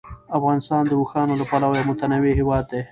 افغانستان د اوښانو له پلوه یو متنوع هېواد دی.